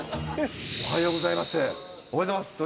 おはようございます。